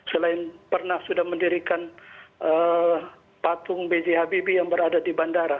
selain pernah sudah mendirikan patung b j habibie yang berada di bandara